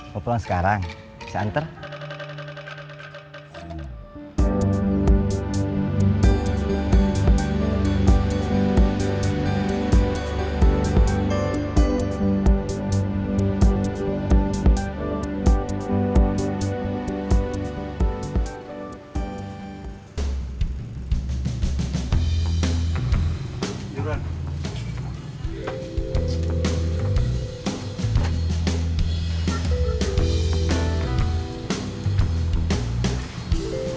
kau pulang sekarang saya antar